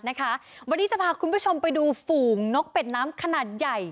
วันนี้จะพาคุณผู้ชมไปดูฝูงนกเป็ดน้ำขนาดใหญ่